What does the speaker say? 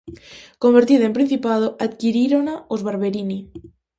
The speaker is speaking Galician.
Convertida en principado, adquirírona os Barberini.